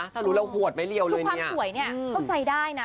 คือความสวยเนี่ยเข้าใจได้นะ